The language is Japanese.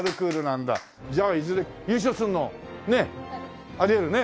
じゃあいずれ優勝するのねあり得るね。